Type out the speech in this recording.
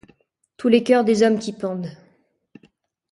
Tous les coeurs des hommes qui pendent